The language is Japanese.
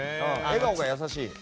笑顔が優しい。